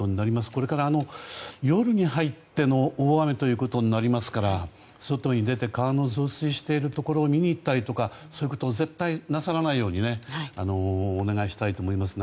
これから夜に入っての大雨ということになりますから外に出て川の増水しているところを見に行ったりとかそういうことは絶対になさらないようにお願いしたいと思います。